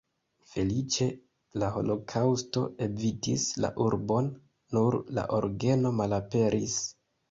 Feliĉe la holokaŭsto evitis la urbon, nur la orgeno malaperis.